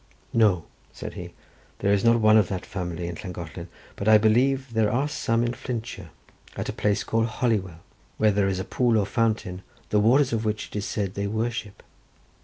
"No," said he, "there is not one of that family at Llangollen, but I believe there are some in Flintshire, at a place called Holywell, where there is a pool or fountain, the waters of which it is said they worship."